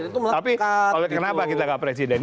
tapi kenapa kita gak presiden